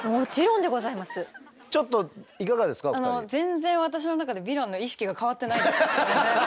全然私の中でヴィランの意識が変わってないです。